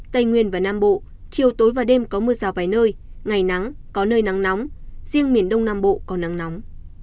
tây nguyên và nam bộ chiều tối và đêm có mưa rào vài nơi ngày nắng có nơi nắng nóng riêng miền đông nam bộ có nắng nóng